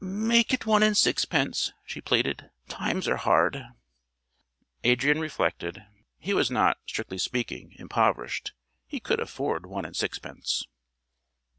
"Make it one and sixpence," she pleaded. "Times are hard." Adrian reflected. He was not, strictly speaking, impoverished. He could afford one and sixpence.